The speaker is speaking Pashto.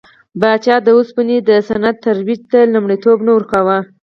پاچا د اوسپنې د صنعت ترویج ته لومړیتوب نه ورکاوه.